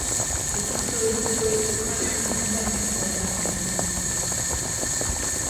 It also incorporates a crank and connecting rod mechanism.